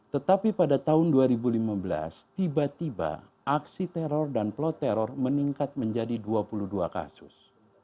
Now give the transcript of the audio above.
tetapi pada tahun dua ribu lima belas tiba tiba aksi teror dan plot teror meningkat menjadi dua puluh dua kasus